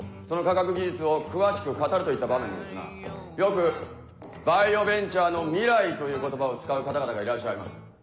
その科学技術を詳しく語るといった場面でですがよく「バイオベンチャーの未来」という言葉を使う方々がいらっしゃいます。